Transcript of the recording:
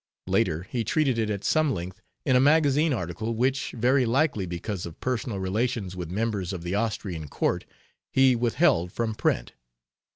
Later he treated it at some length in a magazine article which, very likely because of personal relations with members of the Austrian court, he withheld from print.